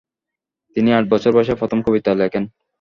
তিনি আট বছর বয়েসে প্রথম কবিতা লেখেন।